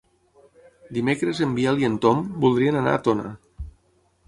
Dimecres en Biel i en Tom voldrien anar a Tona.